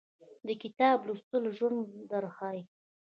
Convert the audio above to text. د کتاب لوستل ژوند درښایي